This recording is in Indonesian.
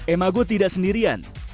emago tidak sendirian